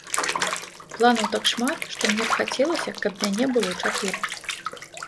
Планаў так шмат, што мне б хацелася, каб мяне было чатыры.